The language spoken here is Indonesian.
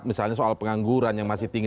misalnya soal pengangguran yang masih tinggi